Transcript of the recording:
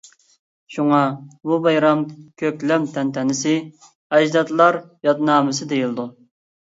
شۇڭا بۇ بايرام كۆكلەم تەنتەنىسى، ئەجدادلار يادنامىسى دېيىلىدۇ.